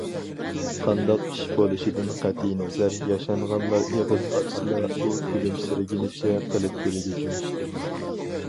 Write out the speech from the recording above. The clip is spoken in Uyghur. قانداق ئىش بولۇشىدىن قەتئىينەزەر ياشانغانلار ئېغىز ئاچسىلا، ئۇ كۈلۈمسىرىگىنىچە قىلىپ بېرىدىكەن.